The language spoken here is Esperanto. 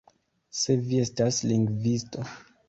Se vi estas lingvisto